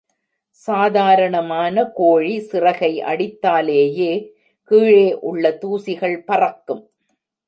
சாதாரணமான கோழி சிறகை அடித்தாலேயே கீழே உள்ள தூசிகள் பறக்கும்.